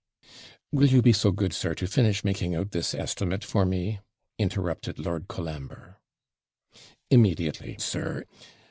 'Will you be so good, sir, to finish making out this estimate for me?' interrupted Lord Colambre. 'Immediately, sir.